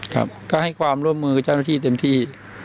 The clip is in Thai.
ก็ให้ความร่วมมือเจ้าหน้าที่เต็มที่